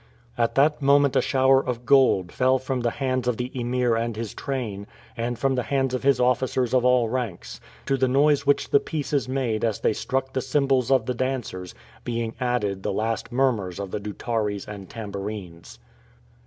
At that moment a shower of gold fell from the hands of the Emir and his train, and from the hands of his officers of all ranks; to the noise which the pieces made as they struck the cymbals of the dancers, being added the last murmurs of the doutares and tambourines.